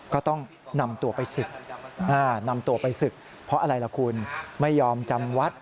ก็ต้องนำตัวไปศึกเพราะอะไรล่ะคุณไม่ยอมจำวด